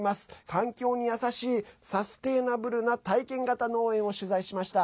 環境に優しいサステナブルな体験型農園を取材しました。